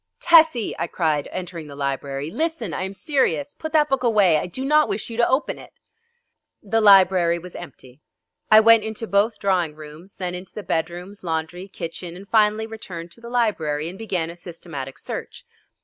"Tessie!" I cried, entering the library, "listen, I am serious. Put that book away. I do not wish you to open it!" The library was empty. I went into both drawing rooms, then into the bedrooms, laundry, kitchen, and finally returned to the library and began a systematic search.